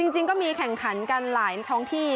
จริงก็มีแข่งขันกันหลายท้องที่